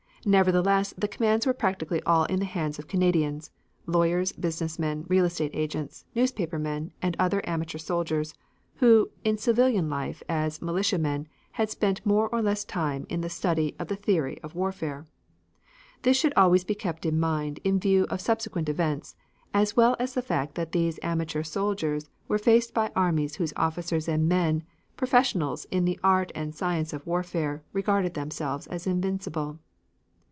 Nevertheless the commands were practically all in the hands of Canadians lawyers, business men, real estate agents, newspapermen and other amateur soldiers, who, in civilian life as militiamen, had spent more or less time in the study of the theory of warfare. This should always be kept in mind in view of subsequent events, as well as the fact that these amateur soldiers were faced by armies whose officers and men professionals in the art and science of warfare regarded themselves as invincible.